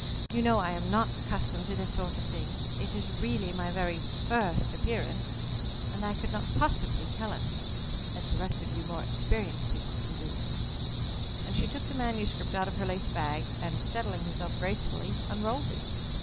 You know I am not accustomed to this sort of thing. It is really my very 'first appearance,' and I could not possibly tell it as the rest of you more experienced people can do," and she took the manuscript out of her lace bag, and, settling herself gracefully, unrolled it.